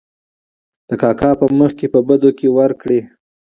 د کاکا په مخکې په بدو کې ور کړې .